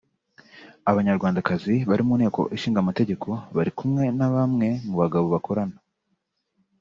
Abanyarwandakazi bari mu Nteko Ishinga Amategeko bari kumwe na bamwe mu bagabo bakorana